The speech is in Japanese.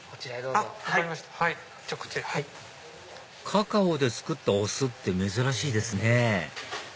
カカオで造ったお酢って珍しいですね